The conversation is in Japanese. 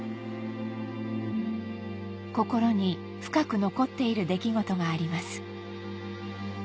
心に深く残っている出来事があります